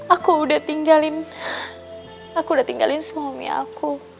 aku udah tinggalin aku udah tinggalin semua mi aku